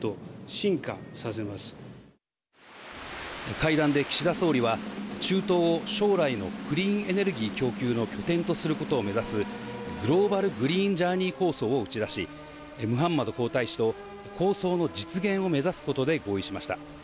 会談で岸田総理は中東を将来のクリーンエネルギー供給の拠点とすることを目指すグローバル・グリーン・ジャーニー構想を打ち出し、ムハンマド皇太子と構想の実現を目指すことで合意しました。